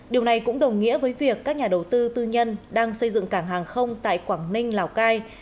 điều này cũng đồng nghĩa với việc các nhà đầu tư tư nhân đang xây dựng cảng hàng không tại quảng ninh lào cai